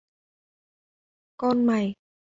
Con mày